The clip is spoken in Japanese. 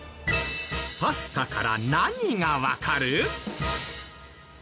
パスタから何がわかる？